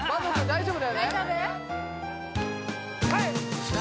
大丈夫？